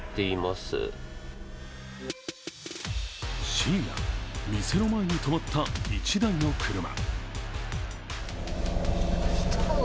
深夜、店の前に止まった１台の車。